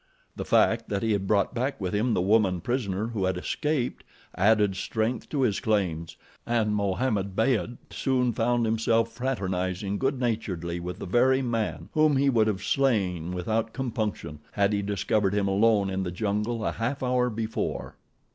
The fact that he had brought back with him the woman prisoner who had escaped, added strength to his claims, and Mohammed Beyd soon found himself fraternizing good naturedly with the very man whom he would have slain without compunction had he discovered him alone in the jungle a half hour before.